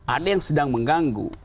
ada yang sedang mengganggu